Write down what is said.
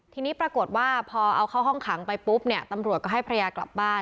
ทีนี้ปรากฏว่าพอเอาเข้าห้องขังไปปุ๊บเนี่ยตำรวจก็ให้ภรรยากลับบ้าน